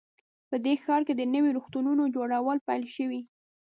په دې ښار کې د نویو روغتونونو جوړول پیل شوي